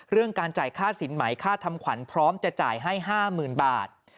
เรื่องการจ่ายค่าสินหมายค่าทำขวัญพร้อมจะจ่ายให้๕หมื่นบาท